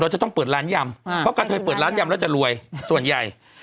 จะต้องเปิดร้านยำเพราะกระเทยเปิดร้านยำแล้วจะรวยส่วนใหญ่